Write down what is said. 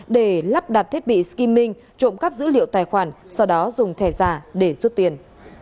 để lắp đặt thiết bị skiming trộm cắp dữ liệu tài khoản sau đó dùng thẻ giả để rút tiền